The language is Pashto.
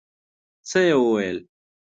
څه يې وويل.